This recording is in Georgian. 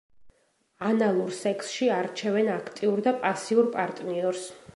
ანალურ სექსში არჩევენ აქტიურ და პასიურ პარტნიორს.